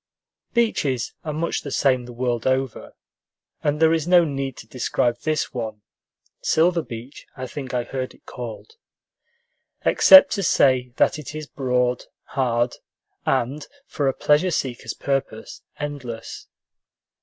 Beaches are much the same the world over, and there is no need to describe this one Silver Beach, I think I heard it called except to say that it is broad, hard, and, for a pleasure seeker's purpose, endless.